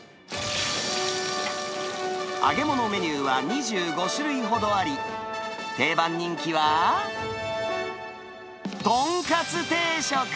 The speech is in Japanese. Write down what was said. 揚げ物メニューは２５種類ほどあり、定番人気は、とんかつ定食。